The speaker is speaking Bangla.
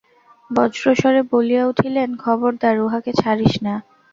বজ্রস্বরে বলিয়া উঠিলেন, খবরদার উহাকে ছাড়িস না।